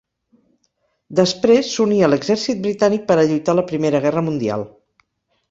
Després s'uní a l'exèrcit britànic per a lluitar a la Primera Guerra Mundial.